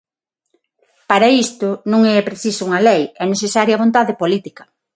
Para isto, non é preciso unha lei, é necesaria vontade política.